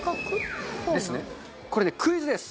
ここでクイズです！